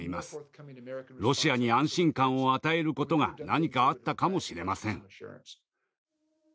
ロシアに安心感を与えることが何かあったかもしれません。